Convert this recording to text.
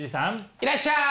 いらっしゃい！